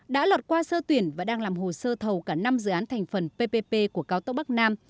đã lọt qua sơ tuyển và đang làm hồ sơ thầu cả năm dự án thành phần ppp của cao tốc bắc nam